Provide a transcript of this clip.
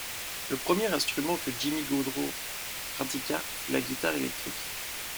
Le premier instrument que Jimmy Gaudreau pratiqua fut la guitare électrique.